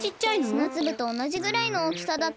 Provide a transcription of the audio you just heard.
すなつぶとおなじぐらいのおおきさだった。